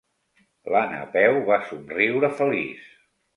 La Napeu va somriure feliç.